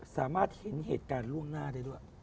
สามารถเห็นเหตุการณ์ล่วงหน้าได้ด้วย